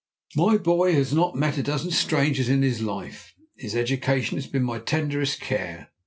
My boy has not met a dozen strangers in his life. His education has been my tenderest care.